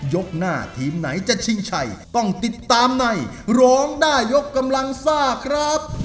ยกหน้าทีมไหนจะชิงชัยต้องติดตามในร้องได้ยกกำลังซ่าครับ